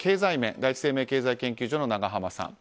第一生命研究所の永濱さん。